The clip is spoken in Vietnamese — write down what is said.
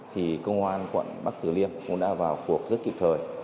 thì công an quận bắc tử liêm cũng đã vào cuộc rất kịp thời